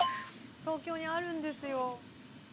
東京にあるんですよ。